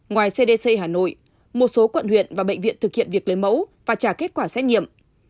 ngoài cdc hà nội một số quận huyện và bệnh viện thực hiện việc lấy mẫu và trả kết quả xét nghiệm